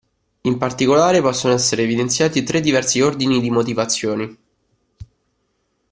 In particolare possono essere evidenziati tre diversi ordini di motivazioni.